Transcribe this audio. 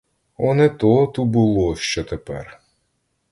О, не то ту було, що тепер!